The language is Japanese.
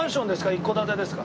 一戸建てですか？